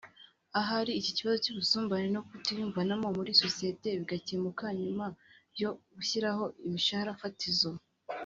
ahari ikibazo cy’ubusumbane no kutiyumvanamo muri Sosiyeti bigakemuka nyuma yo gushyiraho imishahara fatizo